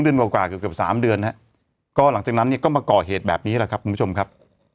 กว่ากว่าเกือบเกือบสามเดือนฮะก็หลังจากนั้นเนี่ยก็มาก่อเหตุแบบนี้แหละครับคุณผู้ชมครับ